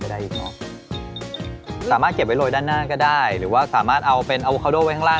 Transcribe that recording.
โอเคอันนี้ตามความชอบเนอะว่าเราแบบชอบแบบกรอบหรือเปล่า